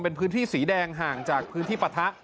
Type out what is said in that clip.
เป็นพื้นที่สีแดงห่างจากพื้นที่ปะทะ